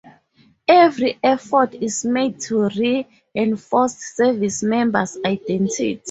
Every effort is made to reinforce Service members' identity.